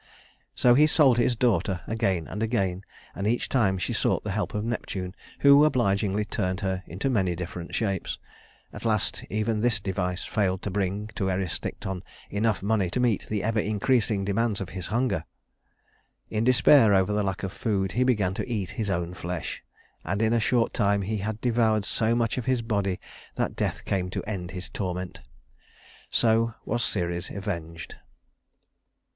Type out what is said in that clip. So he sold his daughter again and again, and each time she sought the help of Neptune, who obligingly turned her into many different shapes. At last even this device failed to bring to Erysichthon enough money to meet the ever increasing demands of his hunger. In despair over the lack of food he began to eat his own flesh; and in a short time he had devoured so much of his body that death came to end his torment. So was Ceres avenged.